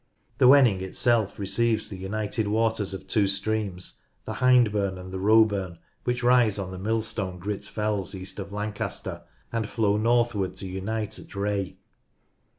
The Wenning itself receives the united waters of two streams, the Hindburn and the Roeburn, which rise on the Millstone Sandel Holme on the Hodder Grit fells east of Lancaster, and flow northward to unite at Wray.